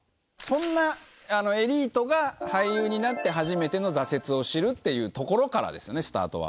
そんなエリートが俳優になって初めての挫折を知るっていうところからですよねスタートは。